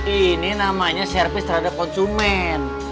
ini namanya servis terhadap konsumen